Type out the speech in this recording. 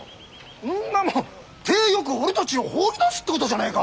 んなの体よく俺たちを放り出すってことじゃねえか。